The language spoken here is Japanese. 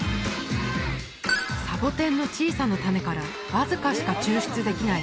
サボテンの小さな種からわずかしか抽出できない